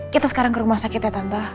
kita sekarang ke rumah sakit ya tante